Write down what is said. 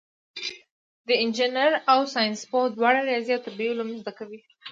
انجینر او ساینسپوه دواړه ریاضي او طبیعي علوم زده کوي.